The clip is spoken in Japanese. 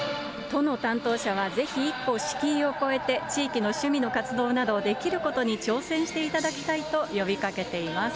都の担当者は、ぜひ一歩敷居を超えて、地域の趣味の活動など、できることに挑戦していただきたいと呼びかけています。